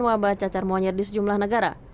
wabah cacar monyet di sejumlah negara